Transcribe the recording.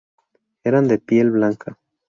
Eran de piel blanca.